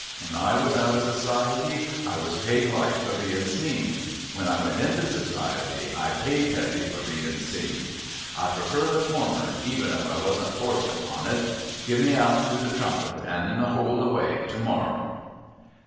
When I was out of Society, I was paid light for being seen. When I went into Society, I paid heavy for being seen. I prefer the former, even if I wasn't forced upon it. Give me out through the trumpet, in the hold way, to morrow.'